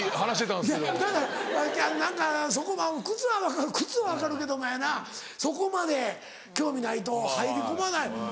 ただ何かそこ靴は分かる靴は分かるけどもやなそこまで興味ないと入り込まない。